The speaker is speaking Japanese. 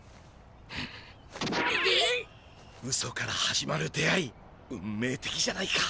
ウソから始まる出会い運命的じゃないか！